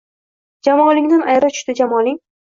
Jamolingdan ayro tushdi Jamoling